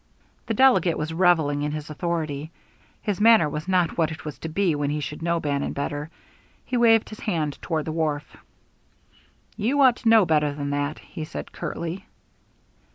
The delegate was revelling in his authority: his manner was not what it was to be when he should know Bannon better. He waved his hand toward the wharf. "You ought to know better than that," he said curtly.